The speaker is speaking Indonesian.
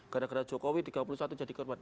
gara gara jokowi tiga puluh satu jadi korban